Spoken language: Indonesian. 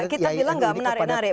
kita bilang nggak menarik narik